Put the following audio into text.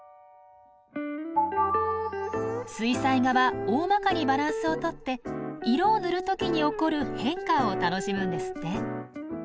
水彩画は大まかにバランスをとって色を塗る時に起こる変化を楽しむんですって。